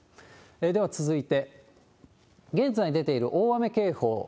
では続いて、現在出ている大雨警報。